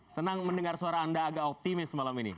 senang mendengar suara anda agak optimis malam ini